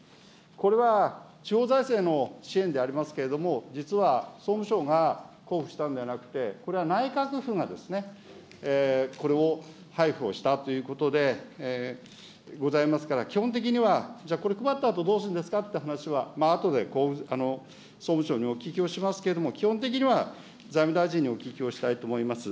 これは地方財政の支援でありますけれども、実は総務省が交付したんではなくて、これは内閣府が、これを配付をしたということで、ございますから、基本的には、じゃあ、これ配ったあと、どうするんですかという話は、あとで、総務省にお聞きをしますけれども、基本的には財務大臣にお聞きをしたいと思います。